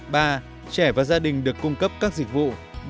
ba trẻ và gia đình được cung cấp các dịch vụ